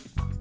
xin cảm ơn